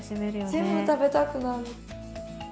全部食べたくなる。